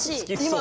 今。